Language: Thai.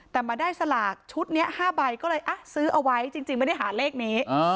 แต่มาได้สลากชุดนี้๕ใบก็เลยซื้อเอาไว้จริงไม่ได้หาเลขนี้